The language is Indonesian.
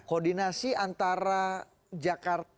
koordinasi antara jakarta